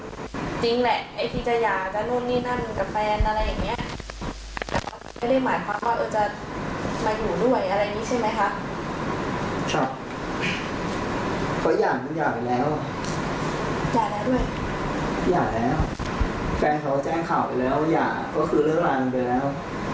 หย่าแล้วแฟนเขาแจ้งข่าวไปแล้วว่าหย่าก็คือเรื่องร้านไปแล้ว